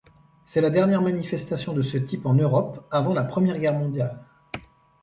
C'est la dernière manifestation de ce type en Europe avant la Première Guerre mondiale.